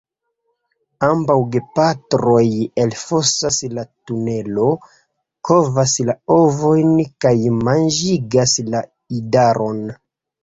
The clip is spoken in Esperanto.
Ambaŭ gepatroj elfosas la tunelo, kovas la ovojn kaj manĝigas la idaron.